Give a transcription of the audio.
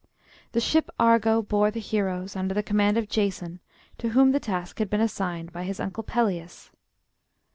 The ship Argo bore the heroes, under the command of Jason, to whom the task had been assigned by his uncle Pelias.